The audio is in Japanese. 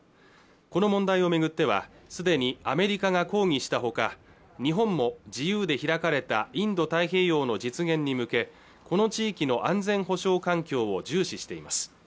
この問題をめぐっては既にアメリカが抗議したほか日本も自由で開かれたインド太平洋の実現に向けこの地域の安全保障環境を重視しています